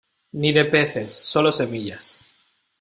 ni de peces, solo semillas.